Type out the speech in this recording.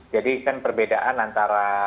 jadi kan perbedaan antara